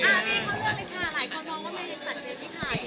อ๋อนี่เขาเลือกเลยค่ะหลายคนมองว่าในสัตว์เย็นที่ขาย